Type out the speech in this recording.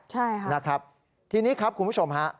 ใช่ค่ะนะครับทีนี้ครับคุณผู้ชมฮะ